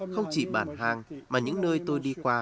không chỉ bản hàng mà những nơi tôi đi qua